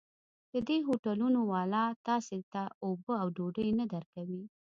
د دې هوټلونو والا تاسې ته اوبه او ډوډۍ نه درکوي.